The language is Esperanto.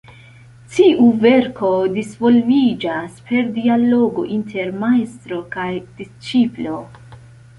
Tiu verko disvolviĝas per dialogo inter majstro kaj disĉiplo.